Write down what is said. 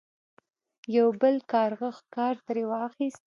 یو بل کارغه ښکار ترې واخیست.